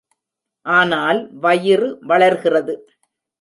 ஆனால் வயிறு வளர்கிறது.